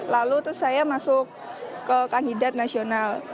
lalu terus saya masuk ke kandidat nasional